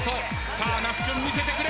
さあ那須君見せてくれ！